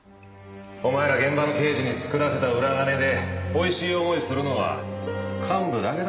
お前ら現場の刑事に作らせた裏金でおいしい思いするのは幹部だけだろう。